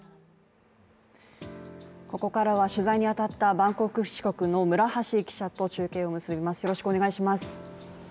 ここからは取材に当たったバンコク支局の村橋記者と中継を結びます。